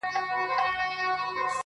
مسافرۍ کي دي ايره سولم راټول مي کړي څوک.